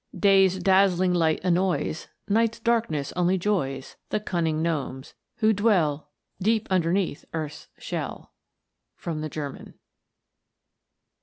"Day's dazzling light annoys, Night's darkness only joys, The cunning gnomes, who dwell Deep underneath earth's shell." From the German.